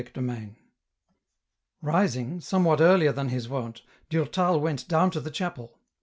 CHAPTER V. Rising, somewhat earlier than his wont, Durtal went down to the chapel.